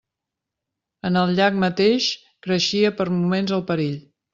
En el llac mateix creixia per moments el perill.